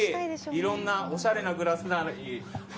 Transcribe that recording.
いろいろなおしゃれなグラスも。